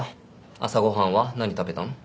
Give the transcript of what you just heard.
朝ご飯は何食べたの？